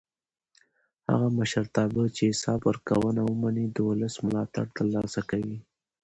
هغه مشرتابه چې حساب ورکوونه ومني د ولس ملاتړ تر لاسه کوي